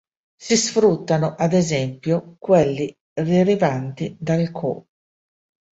Si sfruttano, ad esempio, quelli derivanti dal Co.